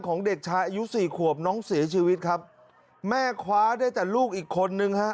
เด็กชายอายุสี่ขวบน้องเสียชีวิตครับแม่คว้าได้แต่ลูกอีกคนนึงฮะ